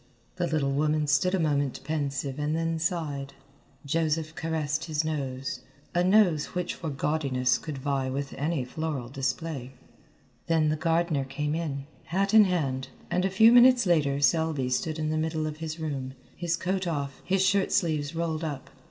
The little woman stood a moment pensive and then sighed. Joseph caressed his nose, a nose which for gaudiness could vie with any floral display. Then the gardener came in, hat in hand, and a few minutes later Selby stood in the middle of his room, his coat off, his shirt sleeves rolled up.